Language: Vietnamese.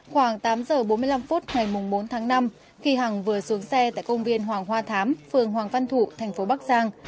khoảng tám giờ bốn mươi năm phút ngày bốn tháng năm khi hằng vừa xuống xe tại công viên hoàng hoa thám phường hoàng văn thụ thành phố bắc giang